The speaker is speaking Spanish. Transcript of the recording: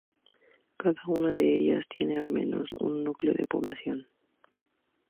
Cada una de ellas tiene, al menos, un núcleo de población.